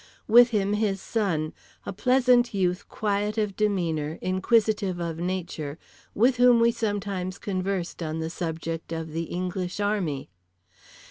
With him his son, a pleasant youth quiet of demeanour, inquisitive of nature, with whom we sometimes conversed on the subject of the English Army.